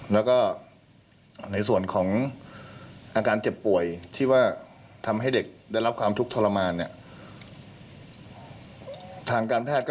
แล้วก็ในส่วนของอาการเจ็บป่วยที่ว่าทำให้เด็กได้รับความทุกข์ทรมานเนี่ย